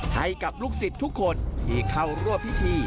ให้กับลูกศิษย์ทุกคนที่เข้าร่วมพิธี